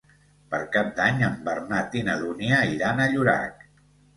Per Cap d'Any en Bernat i na Dúnia iran a Llorac.